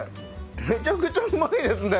めちゃくちゃうまいですね。